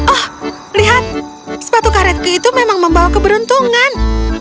oh lihat sepatu karety itu memang membawa keberuntungan